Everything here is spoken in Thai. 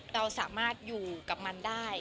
เราสามารถอยู่กับมันได้